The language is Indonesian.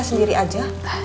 caca sendiri aja